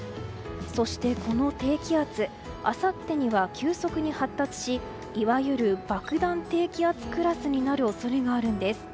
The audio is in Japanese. そして、この低気圧あさってには急速に発達しいわゆる爆弾低気圧クラスになる恐れがあるんです。